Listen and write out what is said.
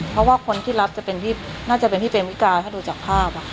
เพราะว่าคนที่รับจะเป็นพี่น่าจะเป็นพี่เมมวิกาถ้าดูจากภาพ